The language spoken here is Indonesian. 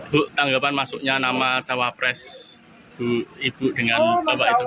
bu tanggapan maksudnya nama cawapres itu dengan bapak itu